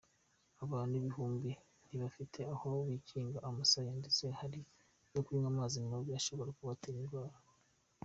Abantu ibihumbi ntibafite aho bakinga umusaya ndetse bari kunywa amazi mabi ashobora kubatera indwara.